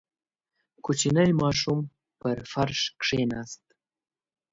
• کوچنی ماشوم پر فرش کښېناست.